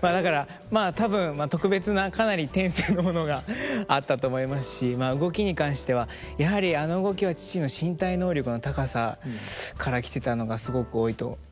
まあだからまあ多分特別なかなり天性のものがあったと思いますし動きに関してはやはりあの動きは父の身体能力の高さからきてたのがすごく多いと思います。